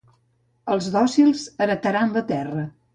Els dòcils heretaran la Terra.